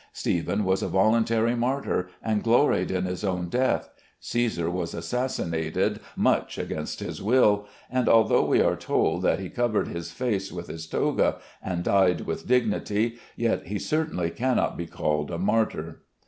Stephen was a voluntary martyr, and gloried in his own death. Cæsar was assassinated much against his will; and although we are told that he covered his face with his toga and died with dignity, yet he certainly cannot be called a martyr.